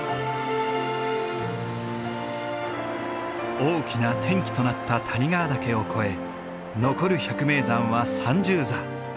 大きな転機となった谷川岳を越え残る百名山は３０座。